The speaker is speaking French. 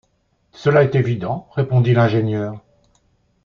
Cela est évident, répondit l’ingénieur